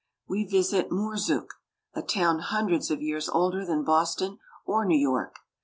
We visit Murzuk (moor zook'), a town hundreds of years older than Boston or New York.